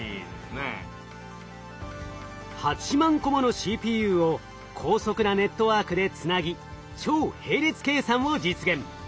８万個ものＣＰＵを高速なネットワークでつなぎ超並列計算を実現。